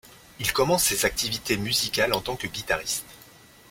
Il commence ses activités musicales en tant que guitariste.